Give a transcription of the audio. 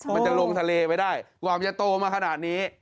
มันจะลงทะเลไปได้กว่ามันจะโตมาขนาดนี้